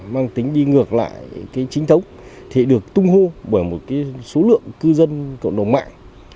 mang tính đi ngược lại chính thống thì được tung hô bởi một số lượng cư dân cộng đồng mạng